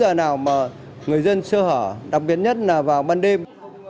đối tượng nào mà người dân sơ hở đặc biệt nhất là vào ban đêm